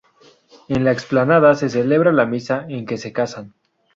En la explanada se celebra la misa en que se casan.